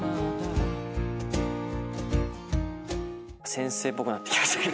先生っぽくなってきました。